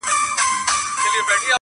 زموږ ادرس دي وي معلوم کنه ورکیږو؛